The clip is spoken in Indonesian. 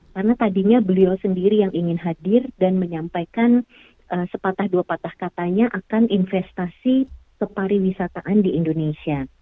karena tadinya beliau sendiri yang ingin hadir dan menyampaikan sepatah dua patah katanya akan investasi ke pariwisataan di indonesia